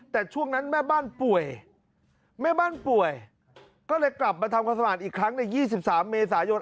แต่ช่วงนั้นแม่บ้านป่วยแม่บ้านป่วยก็เลยกลับมาทำความสะอาดอีกครั้งใน๒๓เมษายน